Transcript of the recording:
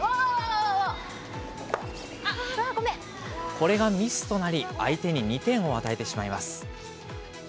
これがミスとなり、相手に２点を与えてしまいます。